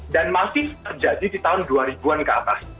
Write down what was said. dan masih terjadi di tahun dua ribu an ke atas